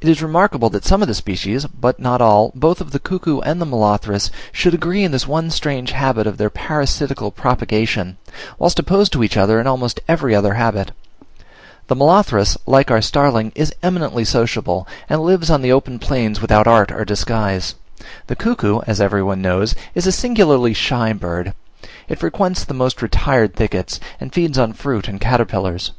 It is remarkable that some of the species, but not all, both of the Cuckoo and Molothrus, should agree in this one strange habit of their parasitical propagation, whilst opposed to each other in almost every other habit: the molothrus, like our starling, is eminently sociable, and lives on the open plains without art or disguise: the cuckoo, as every one knows, is a singularly shy bird; it frequents the most retired thickets, and feeds on fruit and caterpillars.